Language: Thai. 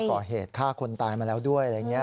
ก่อเหตุฆ่าคนตายมาแล้วด้วยอะไรอย่างนี้